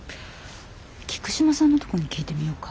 菊島さんのとこに聞いてみようか。